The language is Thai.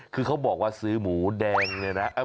คือเขาบอกว่าซื้อหมูแดงเนี่ยนะ